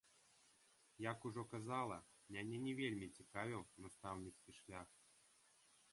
Як ужо казала, мяне не вельмі цікавіў настаўніцкі шлях.